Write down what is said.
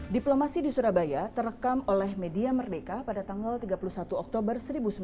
diplomasi di surabaya terekam oleh media merdeka pada tanggal tiga puluh satu oktober seribu sembilan ratus empat puluh